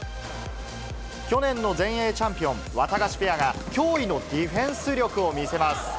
去年の全英チャンピオン、ワタガシペアが驚異のディフェンス力を見せます。